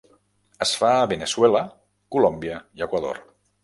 Es fa a Veneçuela, Colòmbia i Equador.